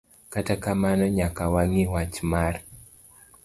Kata kamano nyaka wang'i wach mar